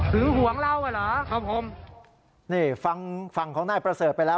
ถึงห่วงเราเหรอครับผมครับผมนี่ฟังของนายประเสริฐไปแล้ว